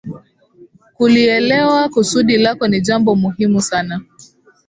Kulielewa kusudi lako ni jambo muhimu sana.